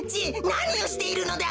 なにをしているのだ！